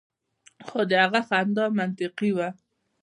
خو د هغه خندا منطقي وه